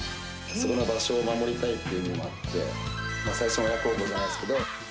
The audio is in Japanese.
その場所を守りたいっていうのもあって、最初の親孝行じゃないですけど。